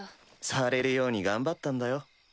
されるように頑張ったんだよ。